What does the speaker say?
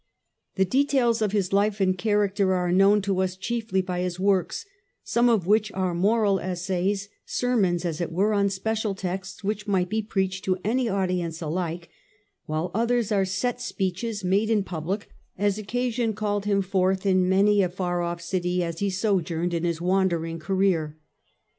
The details of his life and character are known to us chiefly by his works, some of which are moral essays, sermons, as it were, on special texts which might be preached to any audience alike, while others are set speeches made in public as occasion called him forth in many a far off city where he sojourned in his wandering cir. VTii. T 76 The Age of the A ntonines. career.